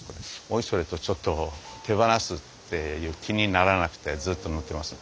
おいそれとちょっと手放すっていう気にならなくてずっと乗ってます